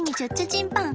チンパン！